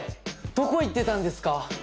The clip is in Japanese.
どこ行ってたんですか？